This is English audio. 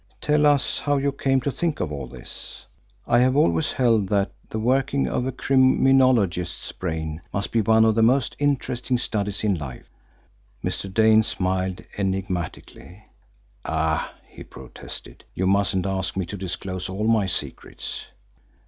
Tell us how you came to think of all this? I have always held that the workings of a criminologist's brain must be one of the most interesting studies in life." Mr. Dane smiled enigmatically. "Ah!" he protested, "you mustn't ask me to disclose all my secrets."